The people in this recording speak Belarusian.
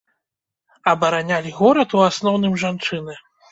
Абаранялі горад у асноўным жанчыны.